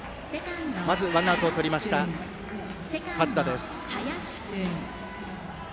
まずワンアウトをとりました勝田。